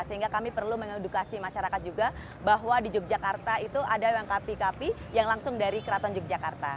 sehingga kami perlu mengedukasi masyarakat juga bahwa di yogyakarta itu ada yang kapi kapi yang langsung dari keraton yogyakarta